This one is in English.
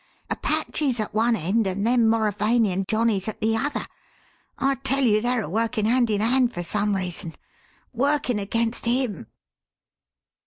"Apaches at one end and them Mauravanian johnnies at the other! I tell you they're a workin' hand in hand for some reason workin' against him!"